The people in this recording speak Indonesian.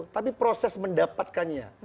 tapi proses mendapatkannya